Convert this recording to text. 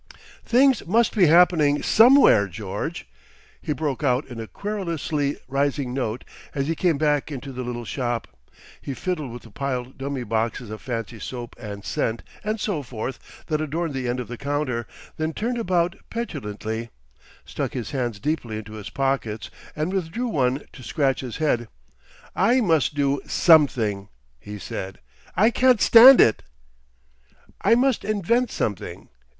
"Things must be happening somewhere, George," he broke out in a querulously rising note as he came back into the little shop. He fiddled with the piled dummy boxes of fancy soap and scent and so forth that adorned the end of the counter, then turned about petulantly, stuck his hands deeply into his pockets and withdrew one to scratch his head. "I must do something," he said. "I can't stand it. "I must invent something.